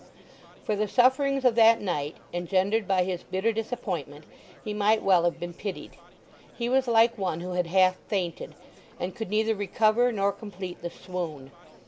For the sufferings of that night, engendered by his bitter disappointment, he might well have been pitied. He was like one who had half fainted, and could neither recover nor complete the swoon.